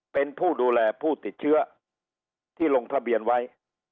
เป็นผู้ดูแลผู้ติดเชื้อที่ลงทะเบียนไว้